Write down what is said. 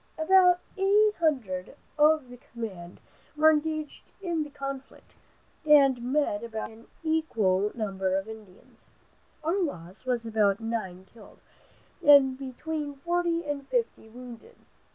About eight hundred of the command were engaged in the conflict, and met about an equal number of Indians. Our loss was about nine killed and between forty and fifty wounded.